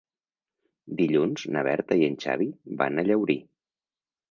Dilluns na Berta i en Xavi van a Llaurí.